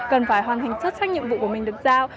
cần phải hoàn thành xuất sắc nhiệm vụ của mình được giao